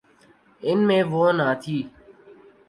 ان میں وہ نہ تھی۔